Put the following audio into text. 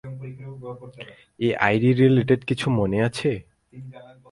ঐ ID related কিছু মনে আছে?